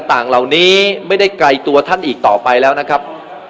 ต่างเหล่านี้ไม่ได้ไกลตัวท่านอีกต่อไปแล้วนะครับ